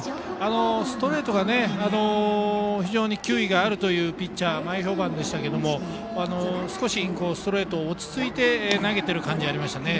ストレートに非常に球威があるという前評判でしたが少しストレート、落ち着いて投げてる感じはありましたね。